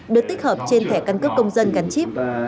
được tích hợp trên thẻ căn cước công dân gắn chip